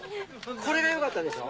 これがよかったでしょ？